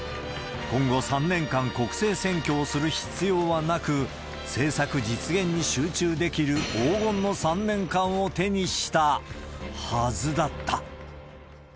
今後３年間、国政選挙をする必要はなく、政策実現に集中できる黄金の３年間を手にしたはずだった。